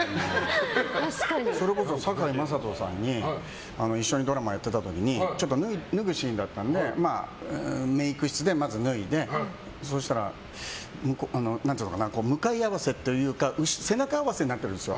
それこそ堺雅人さんに一緒にドラマやってた時に脱ぐシーンだったのでメイク室で脱いで向かい合わせというか背中合わせになってるんですよ。